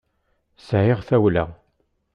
Sɛiɣ tawla.